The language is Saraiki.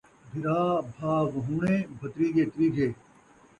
بھرا بھاہ وہوݨے، بھتریجے تریجھے